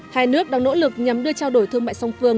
hai nước đang nỗ lực nhằm đưa trao đổi thương mại song phương